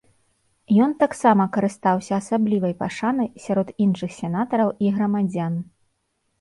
Ён таксама карыстаўся асаблівай пашанай сярод іншых сенатараў і грамадзян.